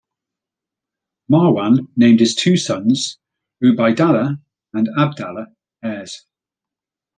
Marwan named his two sons Ubaydallah and Abdallah heirs.